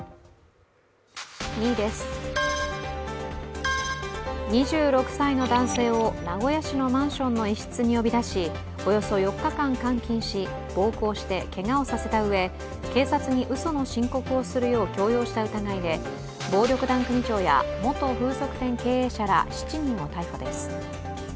２位です、２６歳の男性を名古屋市のマンションの一室に呼び出しおよそ４日間監禁し、暴行してけがをさせたうえ、警察にうその申告をするよう強要した疑いで暴力団組長や元風俗店経営者ら７人を逮捕です。